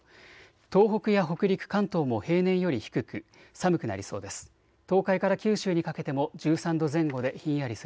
東北や北陸、関東も平年より低く寒くなりそうです。